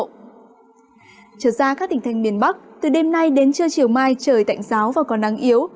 trở ra các tỉnh thành miền bắc từ đêm nay đến trưa chiều mai trời tạnh giáo và còn nắng yếu